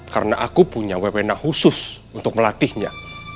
karena aku punya wewena khusus untuk melatihnya